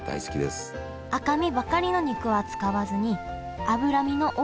赤身ばかりの肉は使わずに脂身の多いものを使います